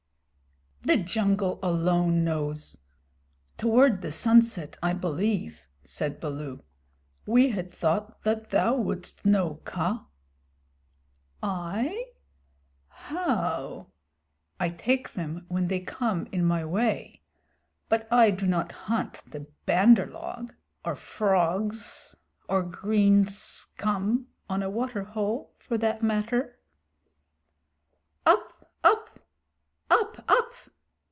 "The jungle alone knows. Toward the sunset, I believe," said Baloo. "We had thought that thou wouldst know, Kaa." "I? How? I take them when they come in my way, but I do not hunt the Bandar log, or frogs or green scum on a water hole, for that matter." "Up, Up! Up, Up!